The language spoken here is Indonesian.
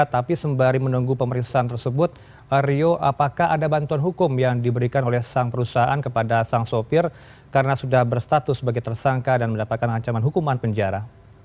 tapi sembari menunggu pemeriksaan tersebut rio apakah ada bantuan hukum yang diberikan oleh sang perusahaan kepada sang sopir karena sudah berstatus sebagai tersangka dan mendapatkan ancaman hukuman penjara